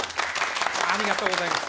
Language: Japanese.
ありがとうございます。